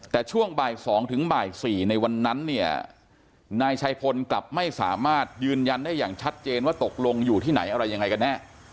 แต่ช่วงบ่าย๒ถึงบ่าย๔ในวันนั้นเนี่ยนายชัยพลกลับไม่สามารถยืนยันได้อย่างชัดเจนว่าตกลงอยู่ที่ไหนอะไรยังไงกันแน่